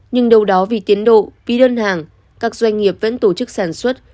nhưng đâu đó vì tiến độ vì đơn hàng các doanh nghiệp vẫn tổ chức sản xuất